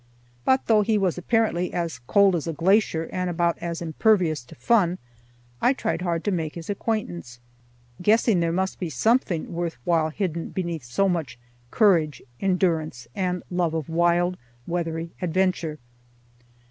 But though he was apparently as cold as a glacier and about as impervious to fun, I tried hard to make his acquaintance, guessing there must be something worth while hidden beneath so much courage, endurance, and love of wild weathery adventure.